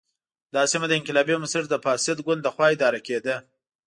دا سیمه د انقلابي بنسټ د فاسد ګوند له خوا اداره کېده.